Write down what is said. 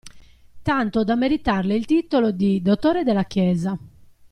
Tanto da meritarle il titolo di dottore della Chiesa.